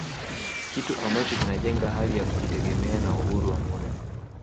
Kitu ambacho kinajenga hali ya kujitegemea na uhuru wa muda